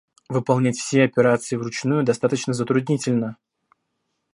Выполнять все операции вручную достаточно затруднительно